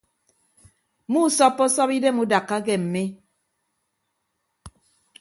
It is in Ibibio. Muusọppọsọp idem udakka ke mmi.